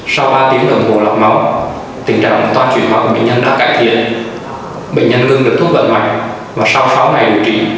sau ba tiếng đồng hồ lọc máu tình trạng toàn chuyển hoá của bệnh nhân đã cải thiện bệnh nhân ngưng được thuốc vận mạnh và sau sáu ngày điều trị